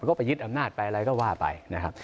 ก็ไปยึดอำนาจไปอะไรก็ว่าไปนะครับ